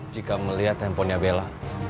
jika melihat handphonenya bella